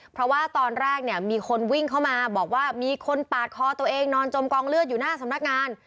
เพราะว่าตอนแรกเนี่ยมีคนวิ่งเข้ามาบอกว่ามีคนปาดคอตัวเองนอนจมกองเลือดอยู่หน้าสำนักงาน